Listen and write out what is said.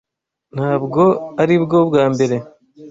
Ntabwo aribwo bwa mbere.